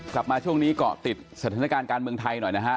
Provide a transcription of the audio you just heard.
กลับมาช่วงนี้เกาะติดสถานการณ์การเมืองไทยหน่อยนะฮะ